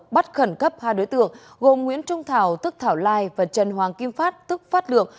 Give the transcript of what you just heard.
bắt khẩn cấp hai đối tượng gồm nguyễn trung thảo tức thảo lai và trần hoàng kim phát tức phát lượng